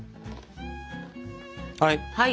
はい！